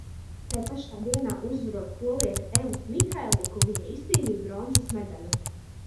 Tai pašā dienā, uzvarot polieti Evu Mihaliku viņa izcīnīja bronzas medaļu.